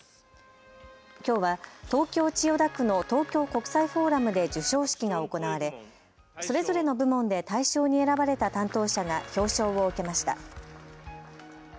きょうは東京千代田区の東京国際フォーラムで授賞式が行われ、それぞれの部門で大賞に選ばれた担当者が表彰を受けました。